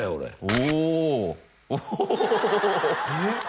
おおえっ？